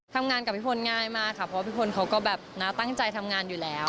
ทำงานกับพี่พลง่ายมากค่ะเพราะว่าพี่พลเขาก็แบบตั้งใจทำงานอยู่แล้ว